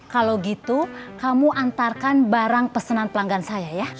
kalau gitu kamu antarkan barang pesanan pelanggan saya ya